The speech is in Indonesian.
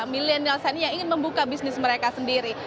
milenial sandiaga yang ingin membuka bisnis mereka sendiri